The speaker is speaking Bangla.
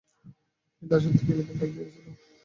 তিনি দাসত্বপ্রথা বিলোপের ডাক দিয়েছিলেন।